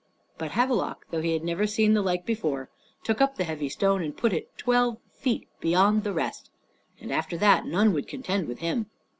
But Havelok, though he had never seen the like before, took up the heavy stone, and put it twelve feet beyond the rest, and after that none would contend with him.